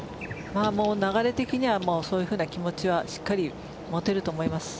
流れ的にはそういう気持ちはしっかり持てると思います。